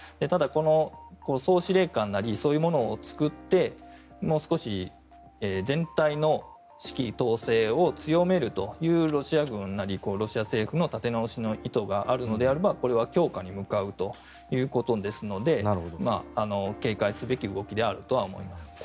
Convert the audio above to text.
ただ総司令官なりそういうものを作ってもう少し全体の指揮統制を強めるというロシア軍なりロシア政府の立て直しの意図があるのであればこれは強化に向かうということですので警戒すべき動きであるとは思います。